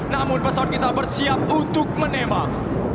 namun pesawat kita bersiap untuk menembak